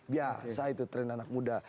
biasa itu tren anak muda